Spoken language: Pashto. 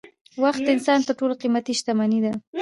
وخت د انسان تر ټولو قیمتي شتمني ده